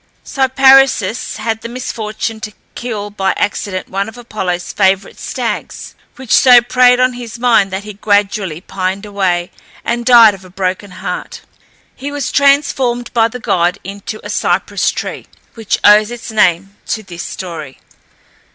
Cyparissus had the misfortune to kill by accident one of Apollo's favourite stags, which so preyed on his mind that he gradually pined away, and died of a broken heart. He was transformed by the god into a cypress tree, which owes its name to this story.